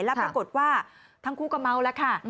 แล้วปรากฏว่าทั้งคู่ก็เมาแล้วค่ะ